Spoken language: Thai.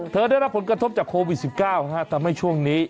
ได้รับผลกระทบจากโควิด๑๙ทำให้ช่วงนี้